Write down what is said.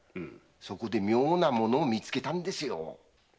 そこで妙なものを見つけたんですよ。